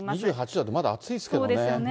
２８度だとまだ暑いですけれどもね。